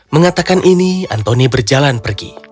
mengatakan ini antoni berjalan pergi